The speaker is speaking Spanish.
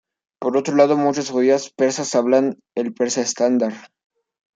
Por otro lado, muchos judíos persas hablan el persa estándar.